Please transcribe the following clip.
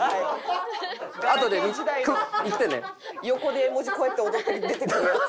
横で絵文字こうやって踊って出てくるやつ。